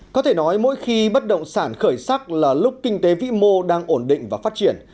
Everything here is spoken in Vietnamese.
có thể nói mỗi khi bất động sản khởi sắc là lúc kinh tế vĩ mô đang ổn định và phát triển